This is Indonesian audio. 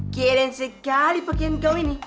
keren sekali pakaian kau ini